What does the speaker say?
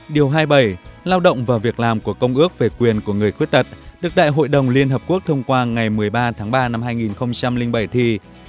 điều hai mươi bảy lao động và việc làm của công ước về quyền của người khuyết tật được đại hội đồng liên hợp quốc thông qua ngày một mươi ba tháng ba năm hai nghìn bảy thì